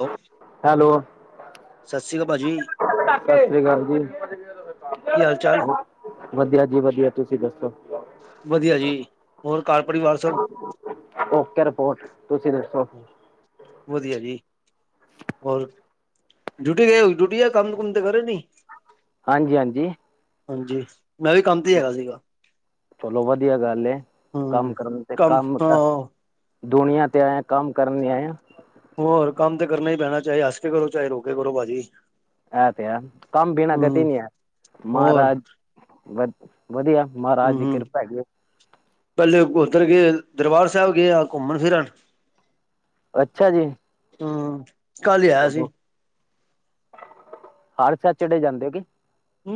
Hello, ਸਸ ਰੀ ਕਾਲ ਭਾਜੀ। ਸਸ ਰੀ ਕਾਲ ਜੀ। ਕੀ ਹਾਲ ਚਾਲ ਵਧੀਆ ਜੀ ਵਧੀਆ, ਤੁਸੀਂ ਦੱਸੋ ਵਧੀਆ ਜੀ, ਹੋਰ ਘਰ ਪਰਿਵਾਰ ਸਭ ਹੋਰ ਤੁਸੀਂ ਦੱਸੋ ਵਧੀਆ ਜੀ ਹੋਰ ਡਿਊਟੀ ਗਏ ਹੋਵੋਗੇ, ਡਿਊਟੀ ਕੰਮ ਕੁੰਮ ਤੇ ਕਰੇ ਨੀ। ਹਾਂਜੀ- ਹਾਂਜੀ। ਹਾਂਜੀ, ਮੈਂ ਵੀ ਕੰਮ ਤੇ ਈ ਹੈਗਾ ਸੀਗਾ। ਚਲੋ ਵਧੀਆ ਗੱਲ ਏ, ਹਮ ਕੰਮ ਕਰਨ ਤੇ ਕੰਮ ਹਾਂ ਕਰ ਦੁਨੀਆਂ ਤੇ ਆਏ ਆ, ਕੰਮ ਕਰਨ ਲਈ ਆਏ ਆ। ਹੋਰ ਕੰਮ ਤੇ ਕਰਨਾ ਈ ਪੈਣਾ, ਚਾਹੇ ਹੱਸ ਕੇ ਕਰੋ, ਚਾਹੇ ਰੋ ਕੇ ਕਰੋ ਭਾਜੀ। ਐ ਤੇ ਹੈ, ਕੰਮ ਬਿਨਾ ਹਮ ਗਤੀ ਨੀ ਐ, ਹੋਰ ਮਹਾਰਾਜ ਵਧੀਆ ਮਹਾਰਾਜ ਹਮ ਦੀ ਹਮ ਕਿਰਪਾ ਹੈਗੀ ਐ। ਪਹਿਲੇ ਉੱਧਰ ਗਏ ਦਰਬਾਰ ਸਹਿਬ ਗਏ ਆਂ, ਘੁੰਮਣ ਫਿਰਨ। ਅੱਛਾ ਜੀ। ਹੂੰ। ਕੱਲ ਹੀ ਆਇਆ ਚਲੋ ਸੀ। ਹਰ ਸੈਟਰਡੇ, ਜਾਂਦੇ ਹੋ ਕੇ?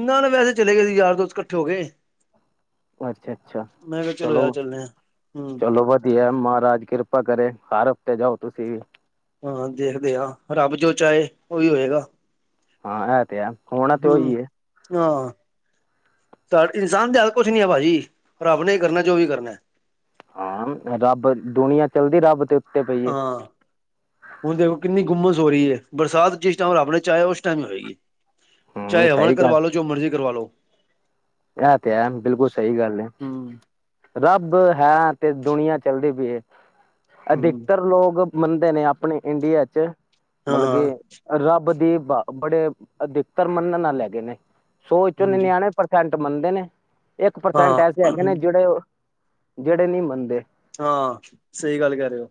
ਨਾ- ਨਾ ਵੈਸੇ ਚਲੇ ਗਏ ਸੀ, ਯਾਰ ਦੋਸਤ ਕੱਠੇ ਹੋ ਕੇ। ਅੱਛਾ ਅੱਛਾ ਮੈਂ ਕਿਆ ਚਲੋ ਯਾਰ ਚੱਲਦੇ ਆ। ਹਮ ਚਲੋ ਵਧੀਐ, ਮਹਾਰਾਜ ਕਿਰਪਾ ਕਰੇ। ਹਰ ਹਫ਼ਤੇ ਜਾਓ ਤੁਸੀਂ ਵੀ। ਹਾਂ, ਦੇਖਦੇ ਹਾਂ ਰੱਬ ਜੋ ਚਾਹੇ ਓਹੀਓ ਹੋਏਗਾ। ਹਾਂ, ਐ ਤੇ ਹੈ। ਹੋਣਾ ਤੇ ਹਮ ਓਹੀ ਏ। ਹਾਂ। ਇਨਸਾਨ ਦੇ ਹੱਥ ਕੁਛ ਨੀ ਹੈ ਭਾਈ, ਰੱਬ ਨੇ ਕਰਨਾ ਹੈ, ਜੋ ਵੀ ਕਰਨਾ। ਹਾਂ, ਰੱਬ ਦੁਨੀਆਂ ਚੱਲਦੀ ਰੱਬ ਤੇ! ਉੱਤੇ ਪਈ ਏ ਹਾਂ, ਹੁਣ ਦੇਖੋ ਕਿੰਨੀ ਗੁੰਮਸ? ਹੋ ਰਹੀ ਹੈ, ਬਰਸਾਤ ਜਿਸ ਟਾਇਮ ਰੱਬ ਨੇ ਚਾਯਾ, ਉਸ ਟਾਇਮ ਹੋਏਗੀ। ਹੂੰ ਚਾਹੇ ਹਵਨ ਸਹੀ ਕਰਵਾ ਲੋ, ਜੋ ਮਰਜ਼ੀ ਕਰਵਾ ਲੋ। ਐ ਤੇ ਹੈ, ਬਿਲਕੁਲ ਸਹੀ ਗੱਲ ਏ। ਹੂੰ ਰੱਬ ਹੈ, ਤੇ ਦੁਨੀਆਂ ਚੱਲਦੀ ਪਈ ਏ। ਹੂੰ ਅਧਿਕਤਰ ਲੋਗ ਮੰਨਦੇ ਨੇ ਆਪਣੇ ਇੰਡੀਆ ਚ। ਹਾਂ ਮਤਲਬ ਹਾਂ ਕਿ ਰੱਬ ਦੀ ਬਾ ਬੜੇ ਅਧਿਕਤਰ ਮੰਨਣ ਆਲੈ ਹੈਗੇ ਨੇ। ਸੋ ਚੋਂ ਹਾਂਜੀ ਨਿਨਯਾਨਵੇਂ ਪ੍ਰਸੈਂਟ ਮੰਨਦੇ ਨੇ। ਇਕ ਪ੍ਰਸੈਂਟ ਹਾਂ ਐਸੇ ਹੈਗੇ ਨੇ ਜੇੜੇ? ਜੇੜੇ ਨੀ ਮੰਨਦੇ। ਹਾਂ, ਸਹੀ ਗੱਲ ਕਹਿ ਰਹੇ ਹੋ।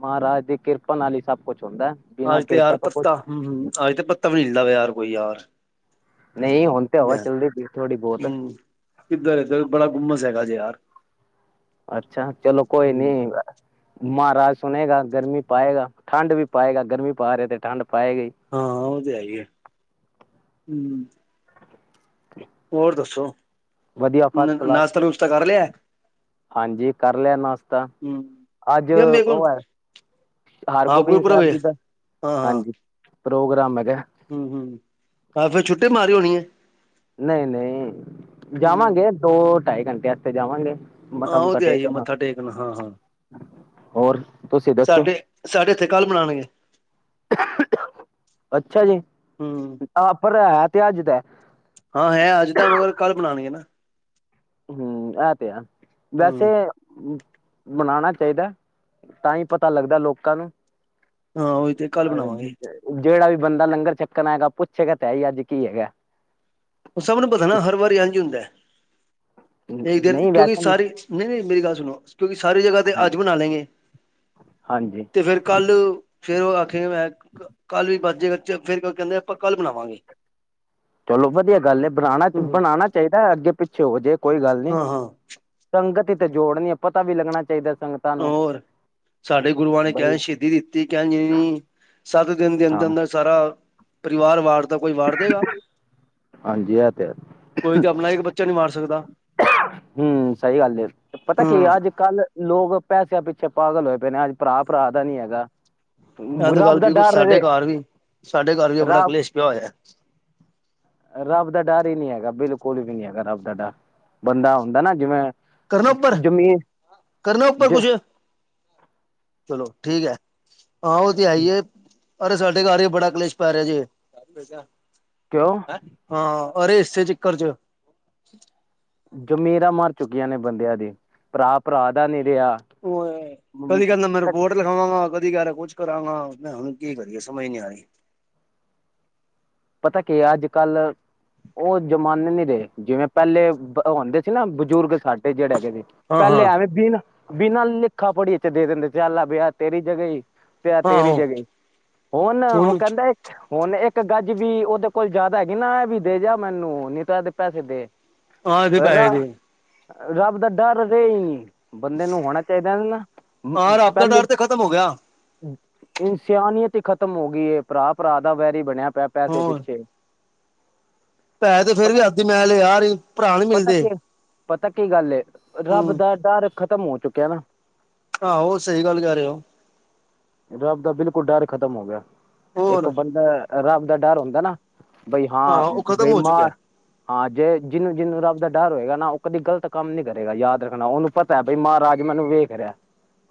ਮਹਾਰਾਜ ਦੀ ਕਿਰਪਾ ਨਾਲ ਹੀ ਸਬ ਕੁਛ। ਹੁੰਦਾ ਬਿਨਾਂ ਅੱਜ ਤੇ ਯਾਰ ਕਿਰਪਾ ਤੋਂ ਕੁਛ ਪੱਤਾ ਹੂੰ- ਹੂੰ, ਅੱਜ ਤੇ ਪੱਤਾ ਵੀ ਨੀ ਹਿਲਦਾ ਪਿਆ ਯਾਰ ਕੋਈ ਯਾਰ। ਨਹੀਂ, ਹੁਣ ਤੇ ਹਵਾ ਹੂੰ ਚੱਲਦੀ ਪਾਈ ਥੋੜ੍ਹੀ ਬਹੁਤ। ਕਿੱਧਰ, ਏਧਰ ਬੜਾ ਗੁੰਮਸ ਹੈਗਾ ਜੇ ਯਾਰ। ਅੱਛਾ, ਚਲੋ ਕੋਈ ਨੀ। ਮਹਾਰਾਜ ਸੁਣੇਗਾ, ਗਰਮੀ- ਪਾਏਗਾ ਠੰਡ ਵੀ ਪਾਏਗਾ। ਗਰਮੀ ਪਾ ਰਹਿਆ ਤੇ ਠੰਡ! ਪਾਏਗੀ ਹਾਂ ਔ ਤੇ ਹੈ ਈ ਏ, ਹੂੰ। ਹੋਰ ਦੱਸੋ, ਵਧੀਆ ਫਸਟ ਕਲਾਸ ਨਾਸ਼ਤਾ-ਨੁਸ਼ਤਾ ਕਰ ਲਿਆ ਹੈ। ਹਾਂਜੀ ਕਰ ਲਿਆ ਨਾਸ਼ਤਾ, ਅੱਜ ਯਾਰ ਮੇਰੇ ਕੋਲ ਓਹ ਹੈ! ਹਾਂ ਹਰਗੋਬਿੰਦ ਗੁਰਪੁਰਬ ਸਾਹਿਬ ਏ ਜੀ ਦਾ, ਹਾਂ ਹਾਂ ਹਾਂਜੀ ਪ੍ਰੋਗਰਾਮ ਹੈ। ਹੂੰ- ਹੂੰ, ਅੱਜ ਫਿਰ ਛੁੱਟੀ ਮਾਰੀ ਹੋਣੀ ਏ? ਨਹੀਂ ਨਹੀਂ, ਹੂੰ ਜਾਵਾਂਗੇ। ਦੋ ਢਾਈ ਘੰਟੇ ਵਾਸਤੇ ਜਾਵਾਂਗੇ‌। ਮੱਥਾ ਹਾਂ ਉਹ -ਮੁੱਥਾ ਤੇ ਆਈ ਟੇਕ ਆਣਾ। ਮੱਥਾ ਟੇਕਣਾ ਹਾਂ ਹਾਂ ਹੋਰ? ਤੁਸੀਂ ਦੱਸੋ ਸਾਡੇ- ਸਾਡੇ ਐਥੇ ਕੱਲ ਮਣਾਣਗੇ। ਅੱਛਾ ਜੀ, ਹੂੰ ਆ ਪਰ ਹੈ ਤੇ ਅੱਜ ਦੈ। ਹਾਂ ਹੈ ਅੱਜ ਦਾ, ਮਗਰ ਕੱਲ੍ਹ ਬਣਾਣਗੇ ਨਾਂ। ਹੂੰ, ਐ ਤੇ ਹੈ। ਵੈਸੇ ਬਣਾਣਾ! ਚਾਈਦੈ, ਤਾਂਹੀ ਪਤਾ ਲੱਗਦਾ ਲੋਕਾਂ ਨੂੰ। ਹਾਂ ਉਹੀ ਤੇ ਕੱਲ੍ਹ ਹਾਏ ਹੁਣ ਬਣਾਵਾਂਗੇ ਤੇ ਜੇੜਾ ਵੀ! ਬੰਦਾ ਲੰਗਰ ਛਕਣ ਆਏਗਾ, ਪੁੱਛੇਗਾ ਤੇ ਹੈ ਹੀ ਅੱਜ ਕੀ ਹੈਗ? ਔ ਸਭ ਨੂੰ ਪਤਾ ਹੈ ਨਾ। ਹਰ ਵਾਰੀ ਏੰਝੀ ਹੀ ਹੋਂਦਾ ਹੈ। ਇੱਕ ਦਿਨ ਨਹੀਂ ਕਿਉਕਿ ਵੈਸੇ ਸਾਰੀ ਨਹੀ - ਨਹੀ ਮੇਰੀ ਗੱਲ ਸੁਣੋ ਕਿਉਕਿ ਸਾਰੀ ਜਗ੍ਹਾ ਤੇ ਹ ਅੱਜ ਬਣਾ ਲੇ ਗੇ। ਹਾਂਜੀ ਤੇ ਫੇਰ, ਕੱਲ ਫੇਰ, ਉਹ ਆਖੇ, ਮੈ ਕੱਲ ਵੀ ਬਚਜੇ ਫੇਰ ਕਹਿੰਦੇ! ਆਪਾ ਕੱਲ ਬਣਾਵਾਂਗੇ। ਚਲੋ ਵਧੀਆ ਗੱਲ ਇਹ ਬਣਾਣਾ- ਹੂੰ ਹੂੰ ਬਣਾਉਣਾ ਚਾਹੀਦਾ, ਅੱਗੇ ਪਿੱਛੇ ਹੋ ਜੇ। ਕੋਈ ਗੱਲ ਨੀ। ਹਾਂ ਹਾਂ ਸੰਗਤ, ਤੇ ਜੋੜਨੀ ਪਤਾ ਵੀ ਲੱਗਣਾ ਚਾਹੀਦਾ। ਸੰਗਤਾਂ ਨੂੰ ਹੋਰ ਸਾਡੇ ਗੁਰੂਆਂ ਨੇ ਬਈ ਕੇਂਜ ਸ਼ਹੀਦੀ ਦਿੱਤੀ ਕਿੰਜ ਨਹੀ। ਸੱਤ ਦਿਨ ਦੇ ਹਾਂ ਅੰਦਰ- ਅੰਦਰ ਸਾਰਾ ਪਰਿਵਾਰ ਵਾਰਤਾ ਕੋਈ ਵਾਰ ਦੇਗਾ? ਹਾਂਜੀ ਇਹ ਤੇ ਕੋਈ ਤੇ ਆਪਣਾ ਇੱਕ ਬੱਚਾ ਨਹੀਂ ਵਾਰ ਸਕਦਾ। ਹੂੰ ਸਹੀ ਗੱਲ ਐ। ਪਤਾ ਕੀ ਅੱਜ ਕੱਲ ਲੋਗ- ਪੈਸਿਆ ਪਿੱਛੇ, ਪਾਗਲ ਹੋਏ, ਪਏ ਨੇ। ਅੱਜ ਭਰਾ, ਭਰਾ ਦਾ ਨੀ ਹੈਗਾ। ਇਹ ਤੇ ਬੂਰਾ ਗੱਲ ਪਤ- ਬਿਲਕੁਲ ਸਾਡੇ ਘਰ ਵੀ- ਸਾਡੇ ਘਰ ਵੀ, ਬੜਾ ਰੱਬ ਕਲੇਸ਼ ਪਿਆ ਹੋਇਆ ਏ। ਨੀ ਹੈਗਾ। ਬਿਲਕੁਲ ਵੀ ਨੀ ਹੈਗਾ। ਰੱਬ ਦਾ ਡਰ। ਬੰਦਾ, ਹੁੰਦਾ ਨਾ ਜਿਵੇ- ਕਰਨਾ ਉੱਪਰ- ਕਰਨਾ ਉੱਪਰ ਜ ਕੁਛ? ਚਲੋ, ਠੀਕ ਐ। ਹਾਂ, ਉਹ ਤੇ ਹੈ, ਈ ਏ। ਅਰੇ, ਸਾਡੇ ਘਰ ਵੀ, ਬੜਾ ਕਲੇਸ਼ ਪੈ ਰਿਹਾ ਜੀ। ਏ, ਕਿਉਂ ਹਾਂ। ਅਰੇ, ਹਿੱਸੇ ਦੇ, ਚਿੱੱਕਰ ਚ। ਚੁੱਕੀਆ ਨੇ, ਬੰਦਿਆ ਦੀ, ਭਰਾ -ਭਰਾ ਦਾ ਨੀ। ਉਹ, ਕਦੀ ਕਰਦਾ, ਮੈ ਰਿਪੋਰਟ ਲਿਖਾਵਾਗਾ, ਕਦੀ ਕਹਿ ਰਿਹਾ। ਕੁਛ ਕਰਾਂਗਾ। ਭਰਾਵਾ ਹੁਣ ਕੀ ਕਰੀਏ ਸਮਝ ਨੀ ਆ ਰਹੀ। ਪਤਾ ਕੀ ਆ। ਅੱਜ ਕੱਲ - ਉਹ ਜ਼ਮਾਨੇ ਨੀ ਰਹੇ। ਜਿਵੇ ਪਹਿਲੇ ਹੁੰਦੇ ਸੀ ਨਾ, ਬਜ਼ੁਰਗ ਸਾਡੇ ਜਿਹੜੇ। ਹਾਂ ਪਹਿਲੇ ਹਾਂ ਐਵੇ, ਬਿਨ- ਬਿਨਾ, ਲਿਖਾ- ਪੜੀ ਤੇ ਦੇ ਦਿੰਦੇ। ਚੱਲ ਵੀ ਏ ਤੇਰੀ ਜਗਾ ਈ। ਤੇ ਆ ਤੇਰੀ ਆਹੋ ਜਗਹ ਈ। ਹੁਣ ਉਹ, ਕਹਿੰਦਾ ਹੁਣ ਇੱਕ ਗ- ਜ ਵੀ ਉਹਦੇ ਕੋਲ ਜਿਆਦਾ ਹੈਗੀ। ਨਾ ਇਹ ਵੀ, ਦੇ ਜਾ ਮੈਨੂੰ, ਨਹੀ ਤਾ ਇਹਦੇ ਪੈਸੇ ਦੇ। ਹਾਂ, ਇਹਦੇ ਰ ਪੈਹੇ ਦੇ। ਰੱਬ ਦਾ ਡਰ ਨਹੀ। ਬੰਦੇ, ਨੂੰ ਹੋਣਾ ਚਾਹੀਦਾ ਐ ਨਾ। ਹਾਂ ਰੱਬ ਦਾ ਪਹਿਲੀ, ਡਰ ਤੇ ਖ਼ਤਮ ਹੋ ਗਿਆ ਇਨਸਾਨੀਅਤ, ਈ ਖਤਮ ਹੋ, ਗਈ ਐ। ਭਰਾ- ਭਰਾ ਦਾ ਵੈਰੀ ਬਣਿਆ। ਪਿਆ ਪੈਸੇ ਪਿੱਛੇ। ਪੈਹੇ ਤੇ ਫੇਰ ਵੀ, ਪਤਾ ਹੱਥ ਦੀ ਮੈਲ ਐ, ਯਾਰ ਭਰਾ ਨੀ ਪਤਾ ਮਿਲਦੇ। ਕੀ ਪਤਾ ਕੀ ਗੱਲ ਐ। ਰੱਬ ਹੂੰ ਦਾ ਡਰ, ਖਤਮ ਹੋ, ਚੁੱਕਿਆ ਨਾ। ਆਹੋ, ਸਹੀ ਗੱਲ ਕਹਿ ਰਹੇ ਓ। ਰੱਬ ਦਾ ਬਿਲਕੁਲ, ਡਰ ਖਤਮ ਹੋ ਗਿਆ। ਇੱਕ ਹੋਰ ਬੰਦਾ, ਰੱਬ ਦਾ ਡਰ ਹੁੰਦਾ ਨਾ। ਬਈ ਹਾਂ। ਉਹ ਖ਼ਤਮ ਹੋ ਬਈਮਾਰ ਚੁੱਕਿਆ ਹਾਂ। ਜੇ ਜਿਹਨੂੰ - ਜਿਹਨੂੰ ਰੱਬ ਦਾ- ਡਰ ਹੋਏਗਾ ਨਾ। ਉਹ ਕਦੀ ਗਲਤ ਕੰਮ ਨੀ ਕਰੇਗਾ। ਯਾਦ ਰੱਖਣਾ, ਉਹਨੂੰ ਪਤਾ, ਬਈ ਮਹਾਰਾਜ ਮੈਨੂੰ, ਵੇਖ ਰਿਹਾ।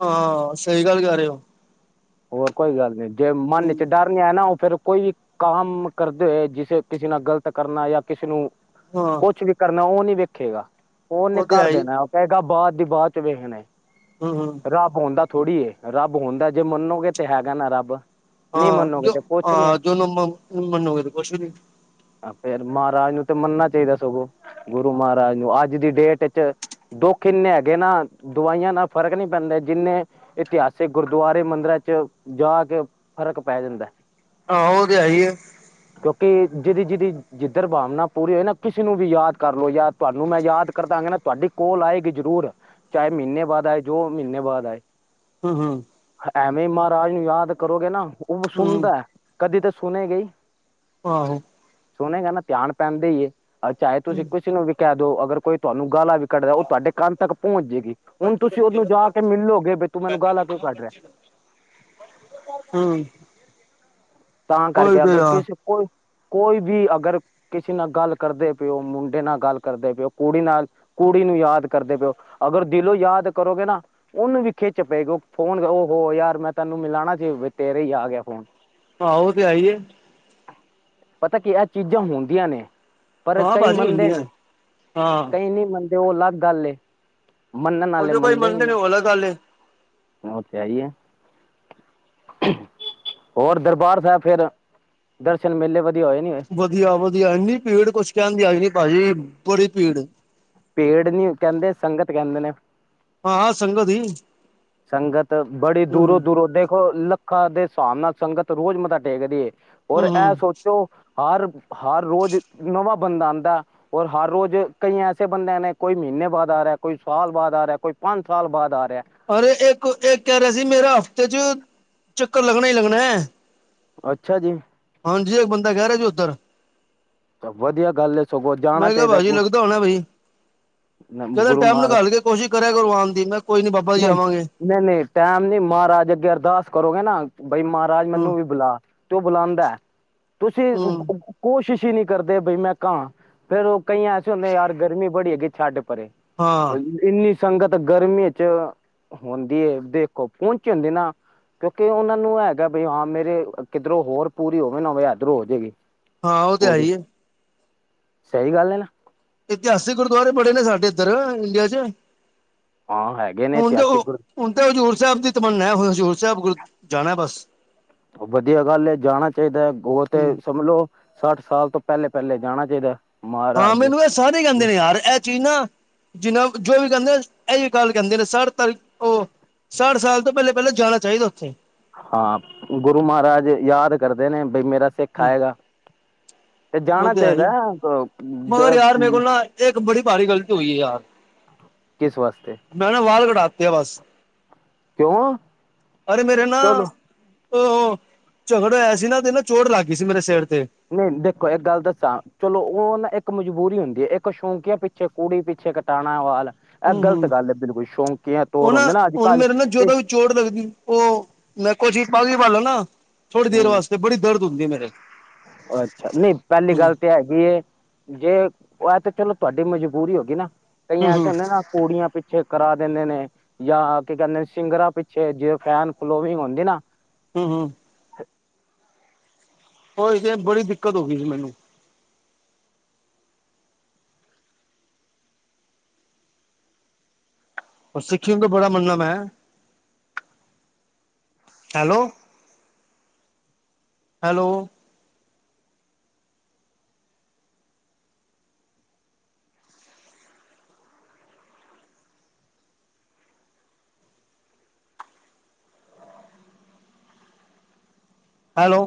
ਹਾਂ ਸਹੀ ਗੱਲ ਕਰ ਰਹੇ ਹੋ ਹੋਰ, ਕੋਈ ਗੱਲ ਨੀ। ਜੇ ਮਨ ਚ ਹੂੰ, ਡਰ ਨੀ ਆਇਆ ਨਾ। ਉਹ ਫੇਰ - ਕੋਈ ਕੰਮ ਕਰਦੇ ਹੋਏ, ਜਿਸੇ, ਕਿਸੇ ਨਾਲ ਗਲਤ ਕਰਨਾ। ਜਾਂ ਕਿਸੇ ਨੂੰ- ਹਾਂ ਕੁਛ ਵੀ ਕਰਨਾ। ਉਹ ਨੀ ਵੇਖੇਗਾ, ਉਹਨੇ ਉਹ ਤੇ ਕਰ ਹੈ ਹੀ ਦੇਣਾ, ਉਹ ਕਹੇਗਾ ਬਾਅਦ। ਦੀ ਬਾਅਦ ਚ ਵੇਖਣਾ। ਹੂੰ ਹੂੰ ਰੱਬ ਹੁੰਦਾ ਥੋੜੀ ਏ ਰੱਬ ਹੁੰਦਾ। ਜੇ, ਮੰਨੋਗੇ ਤੇ, ਹੈਗਾ ਨਾ ਰੱਬ। ਨਹੀਂ ਹਾਂ, ਮੰਨੋਗੇ ਜੋ ਤੇ ਕੁਛ ਨੀ ਹਾ, ਜੋ ਨਾ ਮੰਨੋਗੇ ਤੇ ਕੁਛ ਵੀ ਨੀ। ਫੇਰ, ਮਹਾਰਾਜ ਨੂੰ ਤੇ, ਮੰਨਨਾ ਚਾਹੀਦਾ ਸਗੋ। ਗੁਰੂ ਮਹਾਰਾਜ ਨੂੰ, ਅੱਜ ਦੀ ਡੇਟ ਚ, ਦੁੱਖ ਇੰਨੇ ਹੈਗੇ ਨਾ। ਦਵਾਈਆ ਨਾਲ ਫਰਕ ਨੀ ਪੈਂਦਾ। ਜਿੰਨੇ, ਇਤਿਹਾਸਿਕ ਗੁਰਦੁਆਰੇ, ਮੰਦਿਰਾ ਚ, ਜਾ ਕੇ ਫਰਕ ਪੈ ਜਾਂਦਾ। ਆਹੋ। ਉਹ ਤੇ, ਹੈ, ਹੀ ਐ। ਕਿਉਕਿ ਜਿਹਦੀ- ਜਿਹਦੀ ਜਿੱਧਰ ਭਾਵਨਾ ਪੂਰੀ ਹੋਈ ਏ ਨਾ। ਕਿਸੇ ਨੂੰ ਵੀ ਯਾਦ ਕਰ ਲੋ। ਯਾ ਤੁਹਾਨੂੰ ਮੈ ਯਾਦ ਕਰਦਾ। ਨਾ ਤੁਹਾਡੀ ਕੋਲ ਆਏਗੀ ਜਰੂਰ, ਚਾਹੇ ਮਹੀਨੇ ਬਾਅਦ ਆਏ ਦੋ ਮਹੀਨੇ ਬਾਅਦ ਆਏ। ਹੂੰ - ਹੂੰ। ਐਵੇ, ਮਹਾਰਾਜ ਨੂੰ, ਯਾਦ ਕਰੋਗੇ ਨਾ, ਉਹ ਹੂੰ ਸੁਣਦਾ ਏ। ਕਦੀ ਤਾ, ਸੁਣੇਗਾ ਹੀ। ਆਹੋ। ਸੋਹਣੇਗਾ ਨਾ ਧਿਆਨ ਪੈਂਦੇ ਹੀ, ਏ ਚਾਹੇ ਤੁਸੀਂ ਕੁਛ ਨੂੰ। ਕਹਿ ਦਉ, ਅਗਰ ਕੋਈ ਤੁਹਾਨੂੰ, ਗਾਲਾ ਵੀ ਕੱਢਦਾ ਏ, ਉਹ ਤੁਹਾਡੇ ਕੰਨ ਤੱਕ ਪਹੁੰਚ। ਹੁਣ ਤੁਸੀਂ ਉਹਨੂੰ ਜਾ ਕੇ ਮਿਲੋਗੇ। ਬੀ ਤੂੰ ਮੈਨੂੰ, ਗਾਲ ਆ ਕਿਉਂ ਕੱਢ ਰਿਹਾ। ਹੂੰ। ਤਾਂ ਉਹੀ ਕਰਕੇ, ਤੇ ਅਗਰ ਆ ਕਿਸੇ ਕੋਈ। ਕੋਈ ਵੀ, ਅਗਰ ਕਿਸੇ ਨਾਲ ਗੱਲ ਕਰਦੇ ਪਏਓ, ਮੁੰਡੇ ਨਾਲ ਗੱਲ ਕਰਦੇ ਪਏਓ, ਕੁੜੀ ਨਾਲ, ਕੁੜੀ- ਨੂੰ ਯਾਦ ਕਰਦੇ ਪਿਓ, ਅਗਰ ਦਿਲੋਂ ਯਾਦ ਕਰੋਗੇ ਨਾ, ਉਹਨੂੰ ਵੀ ਖਿੱਚ ਪਏਗੀ। ਫੋਨ ਉਹ ਹੋ। ਯਾਰ ਮੈਂ ਤਾਨੂੰ ਮਿਲਾਣਾ ਜੇ। ਤੇਰੇ ਹੀ ਆ ਗਿਆ ਫੋਨ। ਆ ਔ ਤੇ ਹੈ ਈ ਏ। ਪਤਾ ਕੀ ਇਹ ਚੀਜ਼ਾਂ ਹੁੰਦੀਆਂ ਨੇ ਪਰ ਹਾਂ ਕਈ ਭਾਜੀ ਮੰਨਦੇ ਹੁੰਦੀਆਂ ਨੇ। ਹਾਂ ਕਈ ਨਹੀਂ ਮੰਨਦੇ ਔ ਅਲੱਗ ਗੱਲ ਏ। ਮੰਨਣ ਉਹ ਆਲੇ ਜੋ ਕੋਈ ਮੰਨਦੇ ਵੀ ਨੇ। ਉਹ ਅਲੱਗ ਗੱਲ ਏ ਔ ਤੇ ਹੈ ਈ ਏ। ਹੋਰ ਦਰਬਾਰ ਸਾਹਿਬ ਫੇਰ ਦਰਸ਼ਨ ਮੇਲੇ ਵਧ ਵਧੀਆ ਵਧੀਆ, ਏਨੀ ਭੀੜ ਕੁਛ ਕਹਿਣ ਦੀ ਆਈ ਨਹੀ ਭਾਜੀ। ਬੜੀ ਭੀੜ ਪੇੜ ਨੀ ਕਹਿੰਦੇ ਸੰਗਤ ਕਹਿੰਦੇ ਨੇ। ਹਾਂ ਸੰਗ ਦੀ ਸੰਗਤ ਬੜੀ ਦੂਰੋਂ ਦੂਰੋਂ ਦੇਖੋ ਲੱਖਾਂ ਦੇ ਸਾਬ ਨਾਲ ਸੰਗਤ ਰੋਜ਼ ਮੱਤਾ ਡੇਕਦੀ ਏ ਔਰ ਹੂੰ ਏ ਹੂੰ ਸੋਚੋ ਹਰ ਹਰ ਰੋਜ਼ ਨਵਾਂ ਬੰਦਾ ਆਂਦਾ ਔਰ ਹਰ ਰੋਜ਼ ਕਈ ਐਸੇ ਬੰਦਿਆਂ ਨੇ ਕੋਈ ਨੇ ਬਾਅਦ ਆ ਰਿਹਾ, ਕੋਈ ਸਾਲ ਬਾਅਦ ਆ ਰਿਹਾ, ਕੋਈ ਪੰਜ ਸਾਲ ਬਾਅਦ ਆ ਰਿਹਾ। ਅਰੇ ਇੱਕ ਇੱਕ ਕੇ ਰਿਹਾ ਸੀ ਮੇਰਾ ਹਫ਼ਤੇ ਚ ਚੱਕਰ ਲੱਗਣਾ ਹੀ ਲੱਗਣਾ। ਅੱਛਾ ਜੀ। ਹਾਂਜੀ ਇੱਕ ਬੰਦਾ ਕੇ ਰਿਹਾ ਜੀ ਔਧਰ ਵਧੀਆ ਗੱਲ ਹੈ ਸਗੋਂ ਜਾਣਾ ਮੈਂ ਕਿਹਾ ਚਾਹੀਦਾ ਭਾਜੀ ਗੁ ਲੱਗਦਾ ਹੋਣਾ ਬਾਈ। ਕਹਿੰਦੇ ਗੁਰੂ ਟਾਈਮ ਮਹਾਰਾਜ ਨਿਕਾਲ ਕੇ ਕੋਸ਼ਿਸ਼ ਕਰਿਆ ਕਰੁਰੂ ਆਣ ਦੀ। ਮੈਂ ਕੋਈ ਨੀ ਬਾਬਾ ਜੀ ਨਹੀਂ ਆਵਾਂਗੇ। ਨਹੀਂ ਨਹੀਂ, ਟਾਈਮ ਨੀ ਮਹਾਰਾਜ ਅੱਗੇ ਅਰਦਾਸ ਕਰੋਗੇ ਨਾ ਬਈ ਮਹਾਰਾਜ ਹੂੰ ਮੈਨੂੰ ਵੀ ਬਲਾ, ਤੇ ਉਹ ਬੁਲਾਂਦਾ ਤੁਸੀਂ ਹੂੰ ਕੋਸ਼ਿਸ਼ ਕਯੀ ਨਹੀਂ ਕਰਦੇ ਬਈ ਮੈਂ ਕਾਂ ਫੇਰ ਔ ਕਈ ਐਸੇ ਹੁੰਦੇ ਯਾਰ ਗਰਮੀ ਬੜੀ ਹੈਗੀ ਏ, ਛੱਡ। ਪਰ ਹਾਂ ਇਨੀ ਇਨੀ ਸੰਗਤ ਗਰਮੀਆਂ ਚ ਹੋਂਦੀ ਏ, ਦੇਖੋ ਪਹੁੰਚੀ ਹੁੰਦੀ ਨਾ। ਕਿਉਂਕਿ, ਉਹਨਾਂ ਨੂੰ ਹੈਗਾ। ਬਈ ਹਾਂ, ਮੇਰੇ ਕਿੱਧਰੋਂ ਹੋਰ ਪੂਰੀ, ਹੋਵੇ ਨਾਵੇਂ, ਇਧਰੋਂ ਹੋ ਜਾਵੇਗੀ। ਹਾਂ। ਉਹ, ਤੇ, ਹੈ, ਹੀ ਹੈ। ਸਹੀ ਗੱਲ ਏ ਨਾ। ਇਤਿਹਾਸਿਕ ਗੁਰਦੁਵਾਰੇ ਬੜੇ ਨੇ ਸਾਡੇ ਏਧਰ ਇੰਡੀਆ ਚ। ਹਾਂ ਹੈਗੇ ਨੇ ਹੁਣ ਤੇ ਇਤਿਹਾਸਿਕ ਗੁਰ ਹੁਣ ਤੇ ਹਜ਼ੂਰ ਸਾਹਿਬ ਦੀ ਤਮੰਨਾ ਏ। ਹਜ਼ੂਰ ਸਾਹਿਬ ਜਾਣਾ ਬਸ ਵਧੀਆ ਗੱਲ ਏ, ਜਾਣਾ ਚਾਹੀਦਾ ਔ ਤੇ ਹੂੰ ਸਮਝ ਲੋ ਸੱਠ ਸਾਲ ਤੋਂ ਪਹਿਲੇ-ਪਹਿਲੇ ਜਾਣਾ ਚਾਹੀਦਾ। ਹਾਂ, ਮਹਾਰਾਜ ਮੈਨੂੰ ਏ ਸਾਰੇ ਕਹਿੰਦੇ ਨੇ ਯਾਰ ਇਹ ਚੀਜ਼ ਨਾ ਜਿੰਨਾ ਜੋ ਵੀ ਕਹਿੰਦਾ। ਇਯੋ ਗੱਲ ਕਹਿੰਦੇ ਨੇ ਸੱਠ ਤਲ ਤ ਉਹ ਸੱਠ ਸਾਲ ਤੋਂ ਪਹਿਲੇ ਪਹਿਲਾਂ ਜਾਣਾ ਚਾਹੀਦਾ। ਚਾਹੀਦਾ ਉੱਥੇ। ਹਾਂ ਗੁਰੂ ਮਹਾਰਾਜ ਯਾਦ ਕਰਦੇ ਨੇ ਬਈ ਮੇਰਾ ਸਿੱਖ ਆਏਗਾ। ਔ ਜਾਣਾ ਤੇ ਹੈ ਈ ਚਾਹੀਦਾ ਏ। ਅ ਮਗਰ ਜ ਯਾਰ ਮੇਰੇ ਕੋਲ ਨਾ ਇੱਕ ਬੜੀ ਭਾਰੀ ਗ਼ਲਤੀ ਹੋਈ ਏ ਯਾਰ। ਕਿਸ ਵਾਸਤੇ ਮੈਂ ਨਾ ਵਾਲ ਕਟਾਤੇ ਏ ਬਸ ਕਿਉਂ ਅਰੇ ਮੇਰੇ ਨਾ ਚਲੋ ਔ ਝਗੜਾ ਹੋਯਾ ਸੀ ਨਾ ਤੇ ਨਾ ਚੋਟ ਲੱਗ ਗਈ ਸੀ ਮੇਰੇ ਸਿਰ ਤੇ ਨਹੀਂ ਦੇਖੋ ਇੱਕ ਗੱਲ ਦੱਸਾਂ ਚਲੋ ਔ ਨਾ ਇੱਕ ਇੱਕ ਮਜਬੂਰੀ ਹੁੰਦੀ ਏ, ਇੱਕ ਸ਼ੌਂਕੀਆਂ ਪਿੱਛੇ, ਕੂੜੀ ਪਿੱਛੇ ਕਟਾਣਾ ਵਾਲ ਇਹ ਹੁੰ ਹੁੰ ਗ਼ਲਤ ਗੱਲ ਹੈ ਬਿਲਕੁਲ ਸ਼ੌਂਕੀਆਂ ਤੋਰ ਹੁਨ ਹੁੰਦੇ ਨਾ ਅੱਜ ਹੁਣ ਕੱਲ ਮੇਰੇ ਨਾ ਤੇ ਜਦੋ ਵੀ ਚੋਟ ਲੱਗਦੀ, ਔ ਮੈਂ ਕੋਛ ਪਾਗ ਵੀ ਪਾ ਲਾਂਗਾ ਥੋੜੀ ਦੇਰ ਹਮ ਵਾਸਤੇ ਬੜੀ ਦਰਦ ਹੁੰਦੀ ਏ ਮੇਰੇ। ਅੱਛਾ, ਨਹੀਂ ਪਹਿਲੀ ਹੂੰ ਗੱਲ ਤੇ ਹੂੰ ਏ ਹੈਗੀ ਏ, ਜੇ ਆ ਤੇ ਚਲੋ ਤੁਹਾਡੀ ਮਜਬੂਰੀ ਹੋ ਗਈ ਨਾ ਕਈ ਐਸੇ ਹੂੰ ਹੁੰਦੇ ਨਾ ਕੁੜੀਆਂ ਪਿੱਛੇ ਕਰਾ ਦਿੰਦੇ ਨੇ ਜਾਂ ਕੀ ਕਹਿੰਦੇ ਨੇ ਸਿੰਗਰਾਂ ਪਿੱਛੇ ਜੇ ਫੈਨ ਫਲੋਵਿੰਗ ਹੁੰਦੀ ਨਾ ਹੁੰ ਹੁੰ। ਔਹੀ ਤੇ ਬੜੀ ਦਿੱਕਤ ਹੋ ਗਈ ਸੀ ਮੈਨੂੰ। ਔ ਸਿੱਖੀ ਨੁ ਤੇ ਬੜਾ ਮਨਣਾ ਮੈਂ। Hello, hello. ਹਾਲੋ।